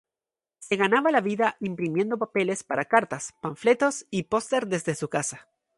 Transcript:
Se ganaba la vida imprimiendo papel para cartas, panfletos y posters desde su casa.